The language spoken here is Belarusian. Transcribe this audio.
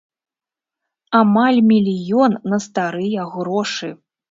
Амаль мільён на старыя грошы!